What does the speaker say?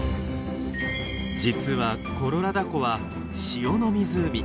実はコロラダ湖は塩の湖。